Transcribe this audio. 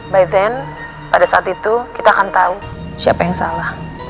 by then pada saat itu kita akan tahu siapa yang salah